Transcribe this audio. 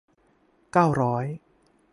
เก้าร้อย